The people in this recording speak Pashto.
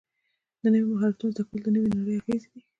د نویو مهارتونو زده کول د نوې نړۍ اغېزې دي.